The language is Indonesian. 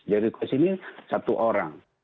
jadi kesini satu orang